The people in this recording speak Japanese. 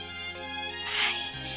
はい。